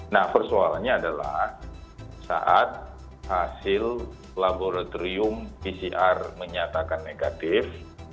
nah persoalannya adalah saat hasil laboratorium pcr menyatakan negatif